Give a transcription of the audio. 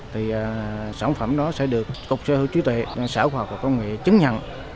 thì sản phẩm đó sẽ được cục sơ hữu chủ tệ sở học và công nghệ chứng nhận